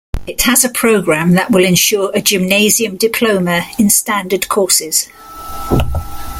It has a program that will ensure a gymnasium diploma in standard courses.